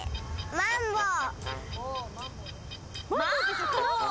マンボウ。